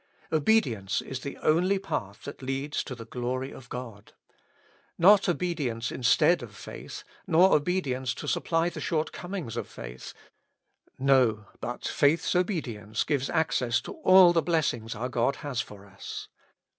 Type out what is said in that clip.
Obe dience is the only path that leads to the glory of God. Not obedience instead of faith nor obedience to sup ply the shortcomings of faith ; no, but faith's obe dience gives access to all the blessings our God has for us.